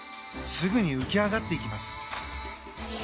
すぐに浮き上がってきます。